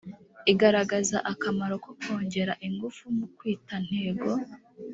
igaragaza akamaro ko kongera ingufu mu kwita ntego